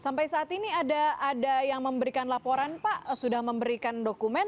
sampai saat ini ada yang memberikan laporan pak sudah memberikan dokumen